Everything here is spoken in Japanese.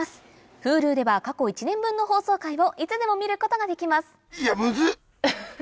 Ｈｕｌｕでは過去１年分の放送回をいつでも見ることができますいやムズっ！